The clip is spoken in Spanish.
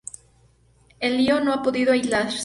El LiO no ha podido aislarse.